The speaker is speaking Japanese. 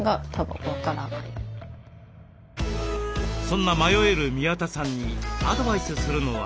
そんな迷える宮田さんにアドバイスするのは。